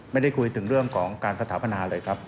ไม่ได้คุยถึงเรื่องของการสถาปนาเลยครับ